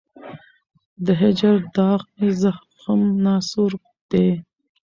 د هجر داغ مي زخم ناصور دی